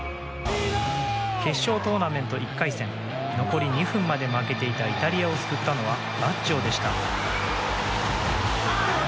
決勝トーナメント１回戦残り２分まで負けていたイタリアを救ったのはバッジョでした。